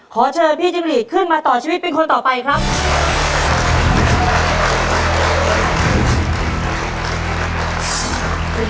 ขอเชิญพี่จิ้งหลีขึ้นมาต่อชีวิตเป็นคนต่อไปครับ